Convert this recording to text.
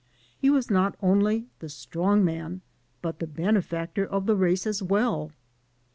He was not only the strong man, but the bene factor of the race as well.